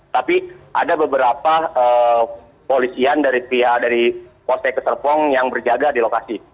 tapi ada beberapa polisian dari pihak dari poste keserpong yang berjaga di lokasi